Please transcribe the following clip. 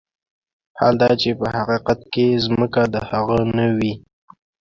حال دا چې په حقيقت کې ځمکه د هغه نه وي.